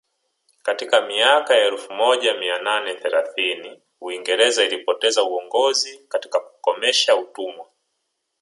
Katika miaka ya elfu moja mia nane thelathini Uingereza ilipoteza uongozi katika kukomesha utumwa